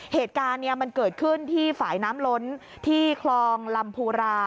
เหตุการณ์มันเกิดขึ้นที่ฝ่ายน้ำล้นที่คลองลำภูรา